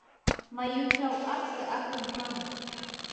mayuchaw atska aqum kan.